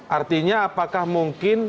artinya apakah mungkin